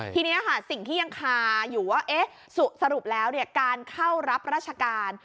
ทีนี้ค่ะสิ่งที่ยังคาอยู่ว่าสรุปแล้วการเข้ารับราชการ